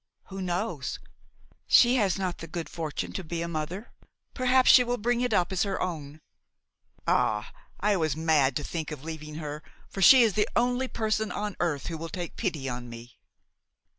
Who knows! she has not the good fortune to be a mother; perhaps she will bring it up as her own! Ah! I was mad to think of leaving her, for she is the only person on earth who will take pity on me!"